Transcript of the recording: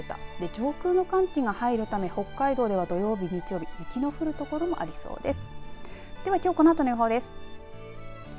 上空の寒気が入るため北海道では土曜日、日曜日雪の降る所もありそうです。